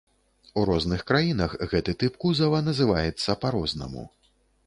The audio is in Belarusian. У розных краінах гэты тып кузава называецца па-рознаму.